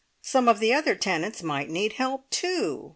Some of the other tenants might need help too.